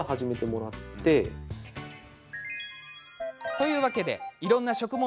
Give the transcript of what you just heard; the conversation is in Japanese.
というわけでいろんな食物